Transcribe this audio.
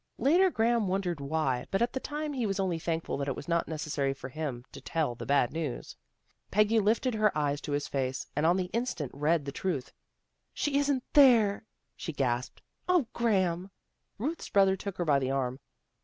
Later Graham wondered why, but at the time he was only thankful that it was not necessary for him to tell the bad news. Peggy lifted her eyes to his face, and on the instant read the truth. " She isn't there," she gasped. " 0, Graham! " Ruth's brother took her by the arm.